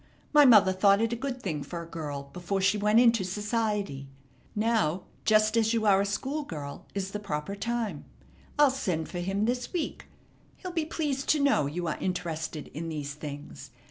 My mother thought it a good thing for a girl before she went into society. Now, just as you are a schoolgirl, is the proper time. I'll send for him this week. He'll be pleased to know you are interested in these things.